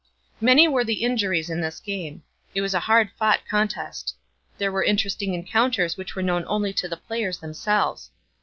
Many were the injuries in this game. It was a hard fought contest. There were interesting encounters which were known only to the players themselves.